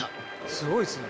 すごいっすね。